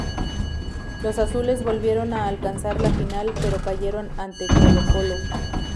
Los azules volvieron a alcanzar la Final pero cayeron ante Colo-Colo.